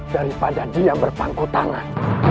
daripada dia berpangku tangan